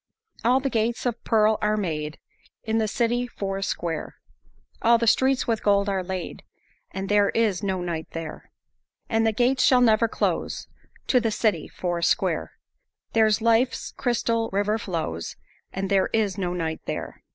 "All the gates of pearl are made, In the city four square, All the streets with gold are laid, And there is no night there. "And the gates shall never close, To the city four square, There life's crystal river flows, And there is no night there."